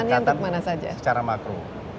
jadi ada satu pendekatan secara makro